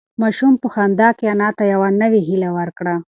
ماشوم په خندا کې انا ته یوه نوې هیله ورکړه.